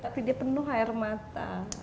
tapi dia penuh air mata